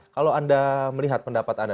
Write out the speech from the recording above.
kalau anda melihat pendapat anda